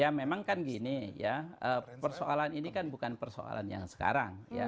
ya memang kan gini ya persoalan ini kan bukan persoalan yang sekarang ya